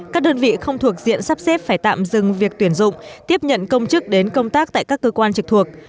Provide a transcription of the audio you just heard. các đơn vị không thuộc diện sắp xếp phải tạm dừng việc tuyển dụng tiếp nhận công chức đến công tác tại các cơ quan trực thuộc